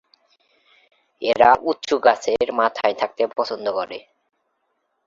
এরা উঁচু গাছের মাথায় থাকতে পছন্দ করে।